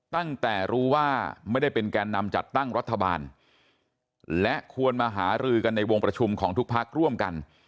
ตั้งแต่รู้ว่าไม่ได้เป็นแกนนำจัดตั้งรัฐบาลและควรมาหารือกันในวงประชุมของทุกพักร่วมกัน